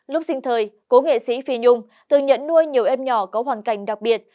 lúc sinh thời cô nghệ sĩ phi nhung từng nhẫn nuôi nhiều em nhỏ có hoàn cảnh đặc biệt